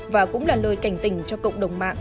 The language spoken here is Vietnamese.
và cũng là lời cảnh tình cho cộng đồng mạng